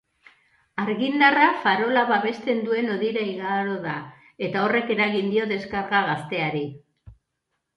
Argindarra farola babesten duen hodira igaro da eta horrek eragin dio deskarga gazteari.